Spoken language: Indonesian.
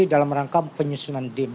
dalam rangka penyusunan dim